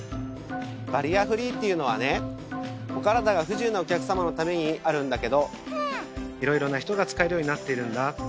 バリアフリーっていうのはねお体が不自由なお客様のためにあるんだけどいろいろな人が使えるようになっているんだ。